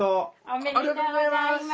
ありがとうございます。